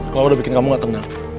kalau udah bikin kamu gak tenang